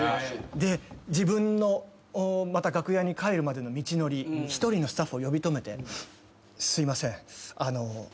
で自分のまた楽屋に帰るまでの道のり１人のスタッフを呼び止めてすいません